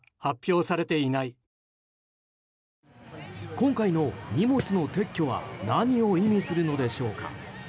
今回の荷物の撤去は何を意味するのでしょうか。